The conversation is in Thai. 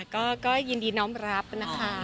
ก็ยินดีน้องรับนะคะ